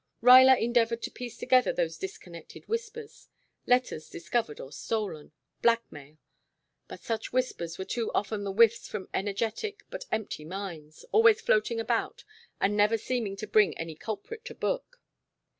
Ruyler endeavored to piece together those disconnected whispers letters discovered or stolen blackmail but such whispers were too often the whiffs from energetic but empty minds, always floating about and never seeming to bring any culprit to book.